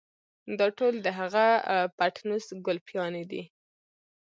دا ټول د هغه پټنوس ګلپيانې دي.